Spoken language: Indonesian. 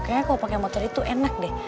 kayaknya kalau pakai motor itu enak deh